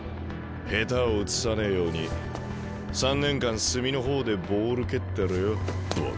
下手をうつさねえように３年間隅の方でボール蹴ってろよボケ。